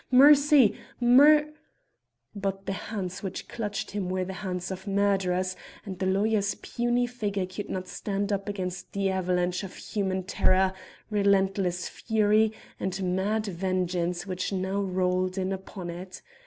Mercy! Mer " But the hands which clutched him were the hands of murderers, and the lawyer's puny figure could not stand up against the avalanche of human terror, relentless fury and mad vengeance which now rolled in upon it.